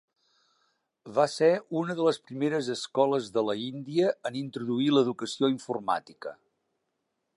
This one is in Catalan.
Va ser una de les primeres escoles de la India en introduir l'educació informàtica.